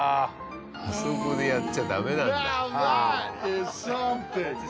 あそこでやっちゃダメなんだ。